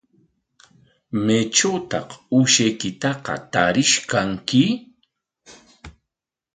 ¿Maytrawtaq uushaykitaqa tarish kanki?